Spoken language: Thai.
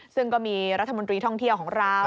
ซึ่งก็มีรัฐมนตรีท่องเที่ยวของเรา